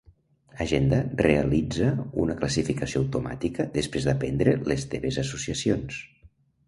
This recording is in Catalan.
Agenda realitza una classificació automàtica després d'aprendre les teves associacions.